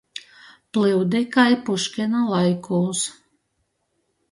Plyudi kai Puškina laikūs.